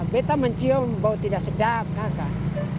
beta mencium bau tidak sedap kakak